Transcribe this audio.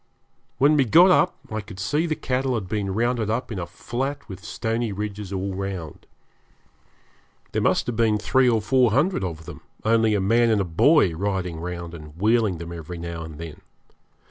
When we got up I could see the cattle had been rounded up in a flat with stony ridges all round. There must have been three or four hundred of them, only a man and a boy riding round and wheeling them every now and then.